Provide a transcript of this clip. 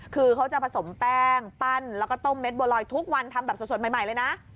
คือเขาจะผสมแป้งปั้นแล้วก็ต้มเม็ดบัวลอยทุกวันทำแบบสดใหม่เลยนะ